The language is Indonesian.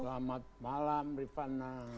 selamat malam rivana